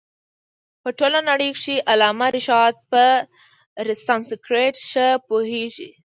په ټوله نړۍ کښي علامه رشاد په سانسکرېټ ښه پوهيږي.